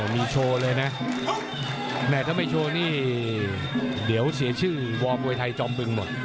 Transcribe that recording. มีโชว์เลยนะแม่ถ้าไม่โชว์นี่เดี๋ยวเสียชื่อวอร์มวยไทยจอมบึงหมด